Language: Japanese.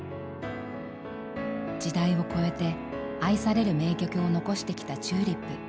時代を超えて愛される名曲を残してきたＴＵＬＩＰ。